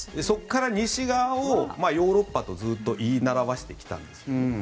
そこから西側を、ヨーロッパとずっと言いならわしてきたんです。